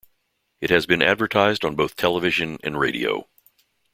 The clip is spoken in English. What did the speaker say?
It has been advertised on both television and radio.